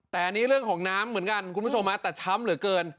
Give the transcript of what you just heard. แต่อันนี้เรื่องของน้ำเหมือนกันคุณผู้ชมฮะแต่ช้ำเหลือเกิน